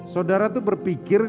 saudara itu berpikir